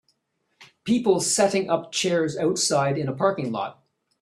People setting up chairs outside in a parking lot